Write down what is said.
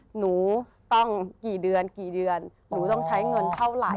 หนูต้องกี่เดือนหนูต้องใช้เงินเท่าไหร่